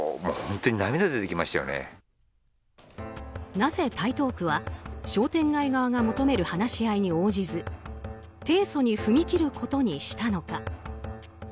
なぜ台東区は商店街側が求める話し合いに応じず提訴に踏み切ることにしたのか。